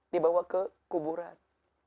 dibawa ke kuburan